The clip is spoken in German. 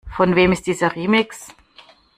Von wem ist dieser Remix?